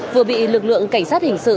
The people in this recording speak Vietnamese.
vừa bị lực lượng cảnh sát hình sự